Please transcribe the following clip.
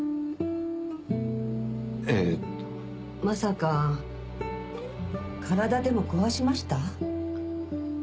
まさか体でもこわしました？